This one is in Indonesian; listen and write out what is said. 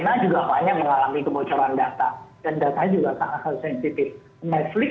vietnam juga baru mengalami kebocoran data yang masif